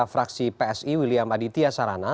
fraksi psi william aditya sarana